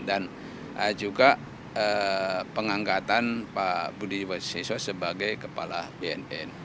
dan juga pengangkatan pak budi waseso sebagai kepala bnn